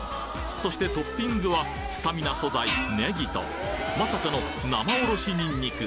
そしてトッピングはスタミナ素材ネギとまさかの生おろしニンニク。